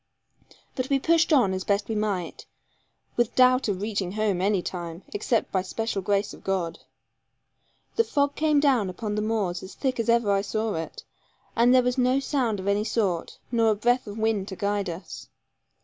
But we pushed on as best we might, with doubt of reaching home any time, except by special grace of God. The fog came down upon the moors as thick as ever I saw it; and there was no sound of any sort, nor a breath of wind to guide us.